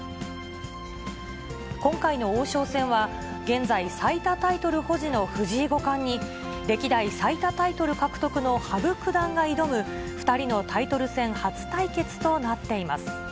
今回の王将戦は、現在、最多タイトル保持の藤井五冠に、歴代最多タイトル獲得の羽生九段が挑む、２人のタイトル戦初対決となっています。